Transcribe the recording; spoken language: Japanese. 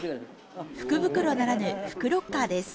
福袋ならぬ、福ロッカーです。